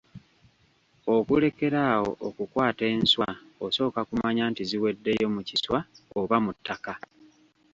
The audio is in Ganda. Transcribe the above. Okulekerawo okukwata enswa osooka kumanya nti ziweddeyo mu kiswa oba mu ttaka.